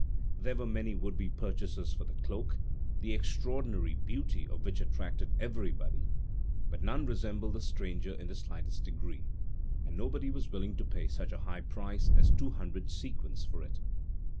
There were many would be purchasers for the cloak, the extraordinary beauty of which attracted everybody; but none resembled the stranger in the slightest degree, and nobody was willing to pay such a high price as two hundred sequins for it.